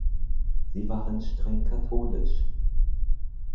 Sie waren streng katholisch.